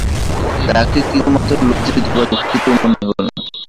তাঁকে কিছুমাত্র লজ্জিত বা দুঃখিত মনে হল না।